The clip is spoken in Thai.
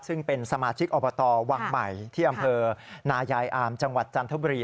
ซึ่งเป็นสมาชิกอบตวังใหม่ที่อำเภอนายายอามจังหวัดจันทบุรี